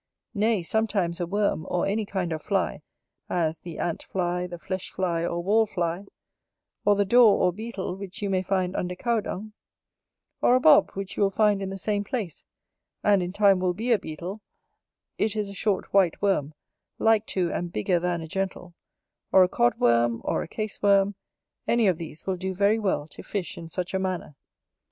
Nay, sometimes a worm, or any kind of fly, as the ant fly, the flesh fly, or wall fly; or the dor or beetle which you may find under cow dung; or a bob which you will find in the same place, and in time will be a beetle; it is a short white worm, like to and bigger than a gentle; or a cod worm; or a case worm; any of these will do very well to fish in such a manner.